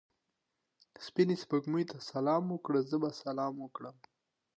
سپینې سپوږمۍ ته سلام وکړه؛ زه به سلام کړم.